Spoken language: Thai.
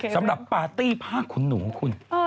สำหรับปาร์ตี้ผ้าขุนหนูคุณ